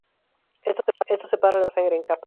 Esto separa la sangre en capas.